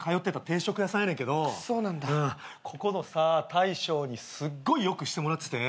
ここの大将にすっごいよくしてもらってて。